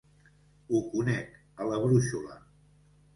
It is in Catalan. Ho conec, a la brúixola.